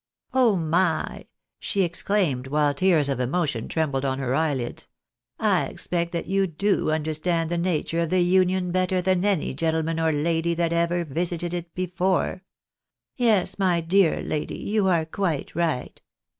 " Oh my !" she exclaimed, while tears of emotion trembled on her eyelids ;" I expect that you do understand the nature of the Union better than any gentleman or lady that ever visited it before ! Yes, my dear lady, you are quite right.